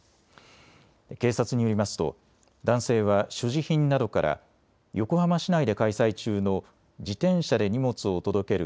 警察によりますと男性は所持品などから横浜市内で開催中の自転車で荷物を届ける